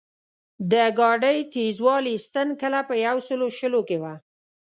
د ګاډۍ تېزوالي ستن کله په یو سلو شلو کې وه.